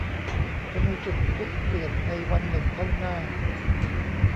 จะมีจุดพลิกเปลี่ยนในวันหนึ่งข้างหน้า